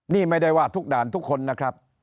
นี่ไม่ได้ว่าทุกด่านทุกคนนะครับ